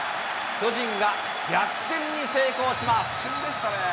巨人が逆転に成功します。